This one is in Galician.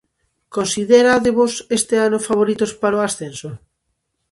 Considerádevos este ano favoritos para o ascenso?